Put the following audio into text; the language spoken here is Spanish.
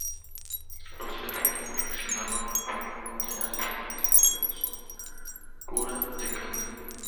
Los tres últimos reaccionaron fuertemente al libro Crítica de la razón pura de Kant.